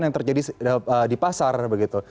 yang terjadi di pasar begitu